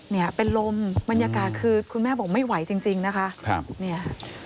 เนี่ยเป็นลมบรรยากาศคือคุณแม่บอกไม่ไหวจริงจริงนะคะครับเนี่ย